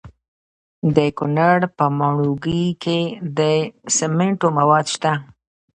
د کونړ په ماڼوګي کې د سمنټو مواد شته.